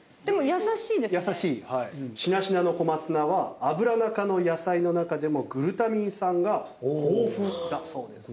しなしなの小松菜はアブラナ科の野菜の中でもグルタミン酸が豊富だそうです。